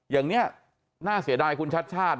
อย่างนี้น่าเสียดายคุณชัดชาติ